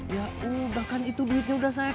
ya udah kan itu duitnya udah saya kasih